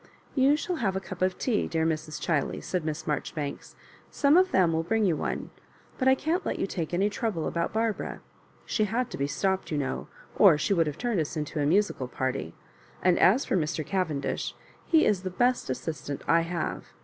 *'You shall have a cup of tea, dear Mrs. Cliiley," said Miss Marjoribanks— *' some of them will bring you one ; but I can't let you take any trouble about Barbara. She had to be stopped, you know, or she would have turned us into a musical party; and* as for Mr. Cavendisli, he is the best assistant I have.